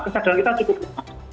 kesadaran kita cukup lemah